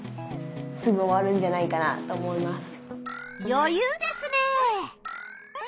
よゆうですね！